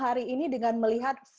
sobreingu hair tersebut tapi